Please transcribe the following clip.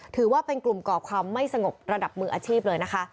ถือว่าเป็นกลุ่มก่อความไม่สงบระดับมืออาชีพเลยนะคะ